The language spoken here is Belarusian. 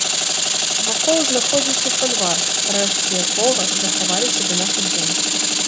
Вакол знаходзіўся фальварак, рэшткі якога захаваліся да нашых дзён.